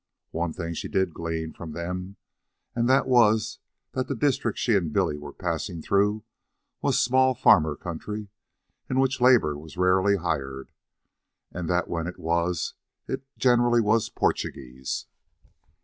One thing she did glean from them, and that was that the district she and Billy were passing through was "small farmer" country in which labor was rarely hired, and that when it was it generally was Portuguese.